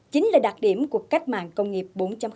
chính là đặc điểm của cách mạng công nghiệp bốn